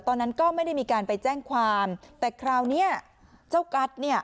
ตอนนั้นก็ไม่ได้มีการไปแจ้งความแต่คราวนี้เจ้ากัสเนี่ย